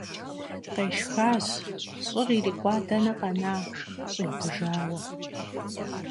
Къешхащ, щӏыр ирикъуа дэнэ къэна, щӏигъужауэ.